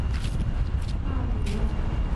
纳比诺。